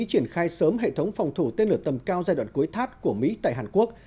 triển khai sớm hệ thống phòng thủ tên lửa tầm cao giai đoạn cuối thắt của mỹ tại hàn quốc